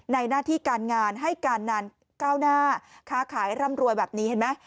หน้าที่การงานให้การนานก้าวหน้าค้าขายร่ำรวยแบบนี้เห็นไหม